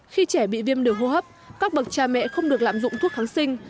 khi trẻ bị viêm đường hô hấp các bậc cha mẹ không được lạm dụng thuốc kháng sinh